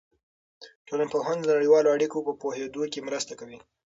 ټولنپوهنه د نړیوالو اړیکو په پوهېدو کې مرسته کوي.